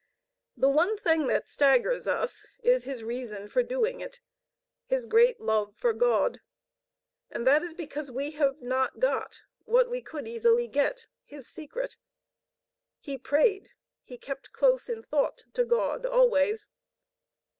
The one thing that staggers us is his reason for doing it, his great love for God. And that is because we have not got, what we could easily get, his secret. He prayed, he kept close in thought to God always.